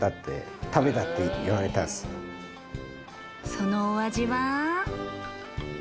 そのお味は